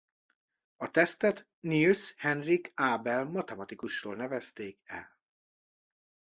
A tesztet Niels Henrik Abel matematikusról nevezték el.